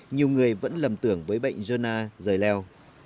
nhiều người vẫn lầm tưởng với bệnh gon rời leo